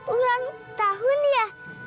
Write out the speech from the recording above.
ulang tahun ya